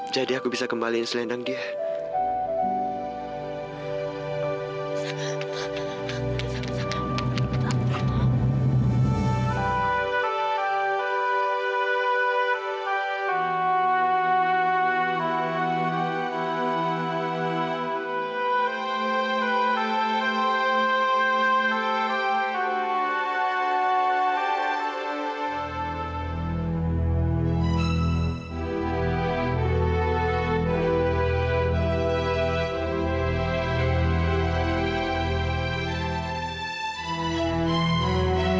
bapak bapak maafkan aku